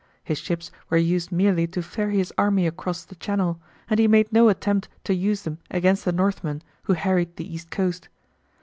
His ships were used merely to ferry his army across the Channel, and he made no attempt to use them against the Northmen who harried the east coast.